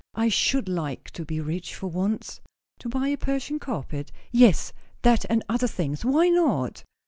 I should like to be rich, for once!" "To buy a Persian carpet?" "Yes. That and other things. Why not?"